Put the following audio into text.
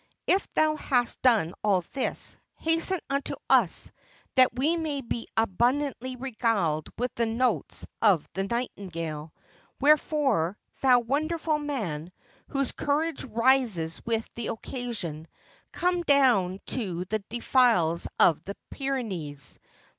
If thou hast done all this, hasten unto us, that we may be abundantly regaled with the notes of the nightingale. Wherefore, thou wonderful man, whose courage rises with the occasion, come down to the de files of the Pyrenees.